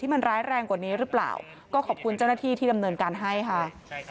มันร้ายแรงกว่านี้หรือเปล่าก็ขอบคุณเจ้าหน้าที่ที่ดำเนินการให้ค่ะ